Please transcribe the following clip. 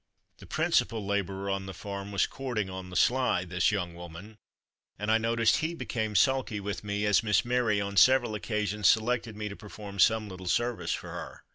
The principal labourer on the farm was courting, on the sly, this young woman, and I noticed he became sulky with me, as Miss Mary on several occasions selected me to perform some little service for her.